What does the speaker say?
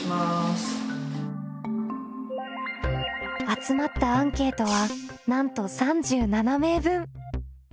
集まったアンケートはなんと３７名分！